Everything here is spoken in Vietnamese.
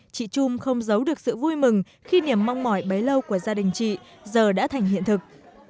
chị trung không giấu được sự vui mừng khi niềm mong mỏi bấy lâu của gia đình chị giờ đã thành hiện thực